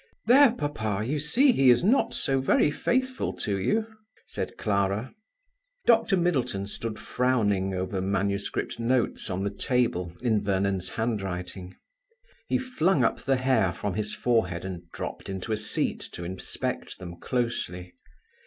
"There, papa, you see he is not so very faithful to you," said Clara. Dr Middleton stood frowning over MS notes on the table, in Vernon's handwriting. He flung up the hair from his forehead and dropped into a seat to inspect them closely.